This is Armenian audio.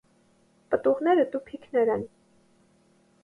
Պտուղները տուփիկներ են։